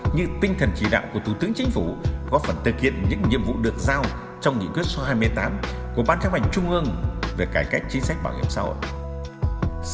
như tinh thần chỉ đạo của thủ tướng chính phủ góp phần thực hiện những nhiệm vụ được giao trong nghị quyết số hai mươi tám của ban chấp hành trung ương về cải cách chính sách bảo hiểm xã hội